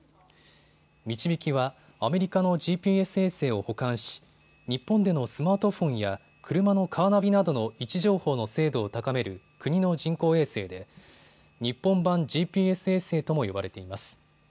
みちびきはアメリカのＧＰＳ衛星を補完し日本でのスマートフォンや車のカーナビなどの位置情報の精度を高める国の人工衛星で日本版ＧＰＳ衛星とも呼ばれています。